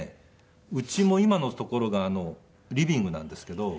うちも今の所がリビングなんですけど。